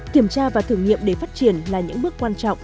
kiểm tra và thử nghiệm để phát triển là những bước quan trọng